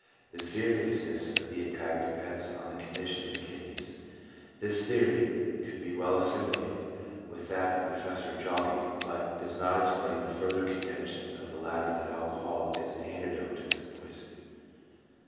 The seriousness of the attack depends on the condition of the kidneys. This theory could well be assimilated with that of Professor Jauregg, but does not explain the further contention of the latter that alcohol is an antidote to this poison.